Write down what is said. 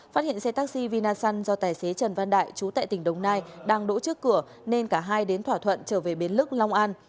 phát hiện xe taxi vinasun do tài xế trần văn đại chú tại tỉnh đồng nai đang đỗ trước cửa nên cả hai đến thỏa thuận trở về bến lức long an